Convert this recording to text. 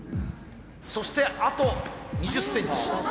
そしてあと２０センチ。